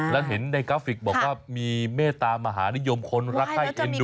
แล้วเห็นในกราฟิกบอกว่ามีเมตตามหานิยมคนรักไข้เอ็นดู